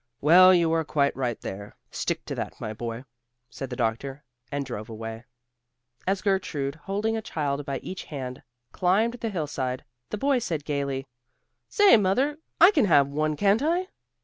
"Well, you are quite right there: stick to that, my boy," said the doctor, and drove away. As Gertrude, holding a child by each hand, climbed the hillside, the boy said gaily, "Say, mother, I can have one, can't I?"